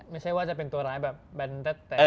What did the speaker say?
ไม่ใช่ว่าจะเป็นตัวร้ายแบบแบนแต๊ดแต๊ด